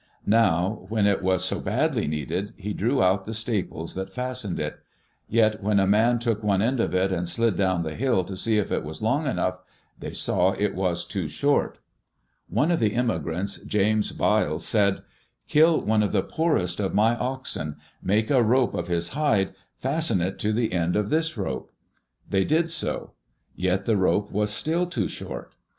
Now when it was so badly needed, he drew out the staples that fastened it. Yet when a man took one end of it and slid down the hill to see if it was long enough, they saw it was too short. One of the immigrants, James Byles, said: " Kill one of the poorest of my oxen. Make a rope of his hide, and fasten it to the end of this rope.'* They did so. Yet the rope was still too short.